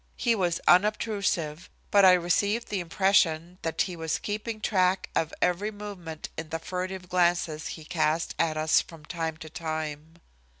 He was unobtrusive, but I received the impression that he was keeping track of every movement in the furtive glances he cast at us from time to time.